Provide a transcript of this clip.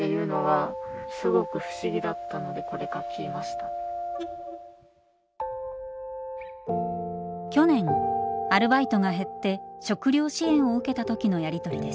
去年アルバイトが減って食糧支援を受けた時のやりとりです。